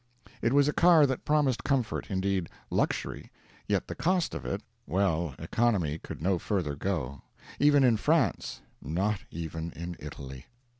It was a car that promised comfort; indeed, luxury. Yet the cost of it well, economy could no further go; even in France; not even in Italy.